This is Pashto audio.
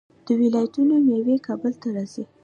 د ولایتونو میوې کابل ته راځي.